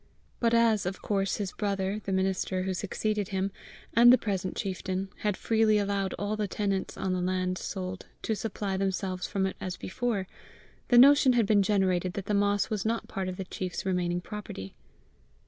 But as, of course, his brother, the minister, who succeeded him, and the present chieftain, had freely allowed all the tenants on the land sold to supply themselves from it as before, the notion had been generated that the moss was not part of the chief's remaining property.